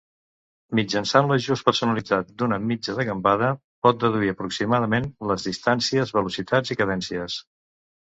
Mitjançant l'ajust personalitzat d'una mitja de gambada, pot deduir aproximadament les distàncies, velocitats i cadències.